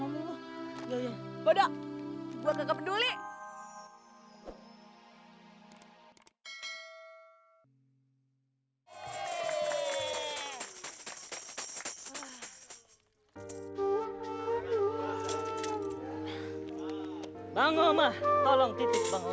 mana bang sudirin